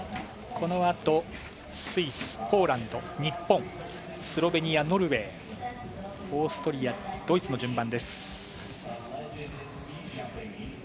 このあとスイス、ポーランド日本、スロベニア、ノルウェーオーストリア、ドイツの順番です。